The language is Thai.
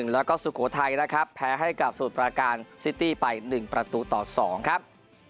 แล้วก็สุโขทัยนะครับแพ้ให้กับสมุทรประการซิตี้ไป๑ประตูต่อ๒ครับ